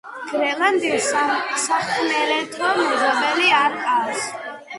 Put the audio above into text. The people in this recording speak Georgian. გრენლანდიას სახმელეთო მეზობელი არ ჰყავს.